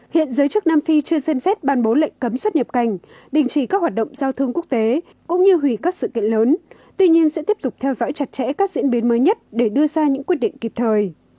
hiện giới chức nam phi chưa xem xét ban bố lệnh cấm xuất nhập cảnh đình chỉ các hoạt động giao thương quốc tế cũng như hủy các sự kiện lớn tuy nhiên sẽ tiếp tục theo dõi chặt chẽ các diễn biến mới nhất để đưa ra những quyết định kịp thời